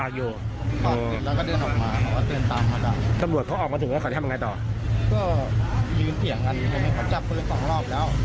ก็ยืนเสี่ยงกันยังไม่มีเพราะจับปืนสองรอบแล้ว